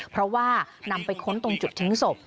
เพราะว่านำไปค้นตรงจุดทิ้งศพ